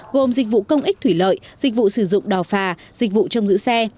gồm dịch vụ công ích thủy lợi dịch vụ sử dụng đò phà dịch vụ trong giữ xe